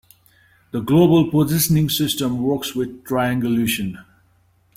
The global positioning system works with triangulation.